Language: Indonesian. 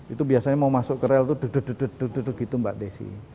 itu biasanya mau masuk ke rel itu duduk duduk gitu mbak desi